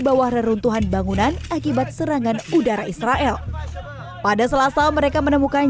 bawah reruntuhan bangunan akibat serangan udara israel pada selasa mereka menemukan